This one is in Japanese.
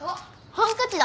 ハンカチだ。